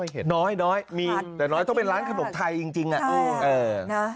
ไม่ค่อยเห็นน้อยน้อยมีแต่น้อยต้องเป็นร้านขนมไทยจริงจริงอ่ะเออ